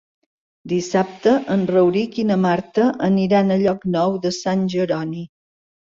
Dissabte en Rauric i na Marta aniran a Llocnou de Sant Jeroni.